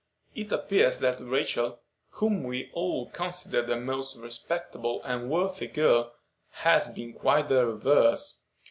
It appears that Rachel, whom we all considered a most respectable and worthy girl, has been quite the reverse.